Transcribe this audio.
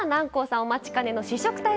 お待ちかねの試食タイム